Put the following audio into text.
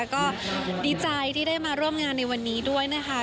ก็ดีใจที่ได้มาร่วมงานในวันนี้ด้วยนะคะ